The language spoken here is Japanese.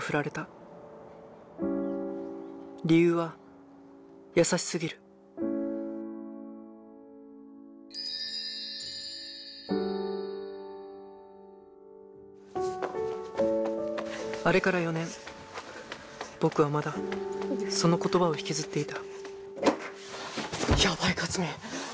理由は優しすぎるあれから４年僕はまだその言葉を引きずっていたやばいカツミ！